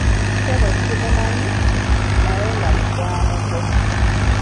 Ssebo simumanyi, naye nga mukwano gwo.